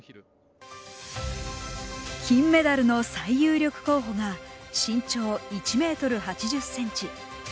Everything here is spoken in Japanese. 金メダルの最有力候補が身長１ｍ８０ｃｍ体重９０ｋｇ。